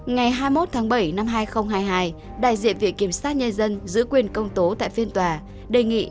ngày hai mươi một tháng bảy năm hai nghìn hai mươi hai đại diện viện kiểm sát nhân dân giữ quyền công tố tại phiên tòa đề nghị